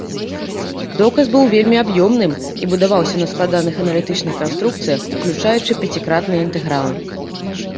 Доказ быў вельмі аб'ёмным і будаваўся на складаных аналітычных канструкцыях, уключаючы пяцікратныя інтэгралы.